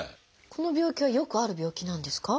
この病気はよくある病気なんですか？